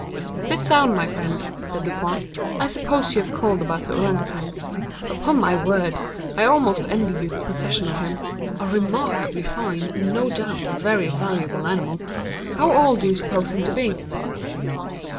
"Sit down, my friend," said Dupin. "I suppose you have called about the Ourang Outang. Upon my word, I almost envy you the possession of him; a remarkably fine, and no doubt a very valuable animal. How old do you suppose him to be?"